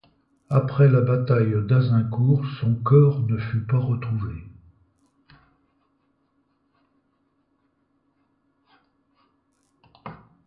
Après la bataille d'Azincourt, son corps ne fut pas retrouvé.